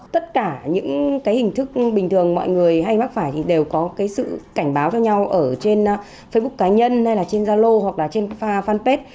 tất cả những cái hình thức bình thường mọi người hay mắc phải thì đều có cái sự cảnh báo cho nhau ở trên facebook cá nhân hay là trên gia lô hoặc là trên fanpage